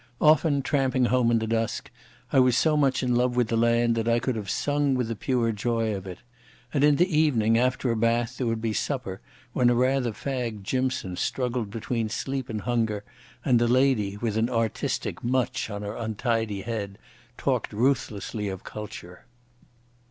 Often, tramping home in the dusk, I was so much in love with the land that I could have sung with the pure joy of it. And in the evening, after a bath, there would be supper, when a rather fagged Jimson struggled between sleep and hunger, and the lady, with an artistic mutch on her untidy head, talked ruthlessly of culture.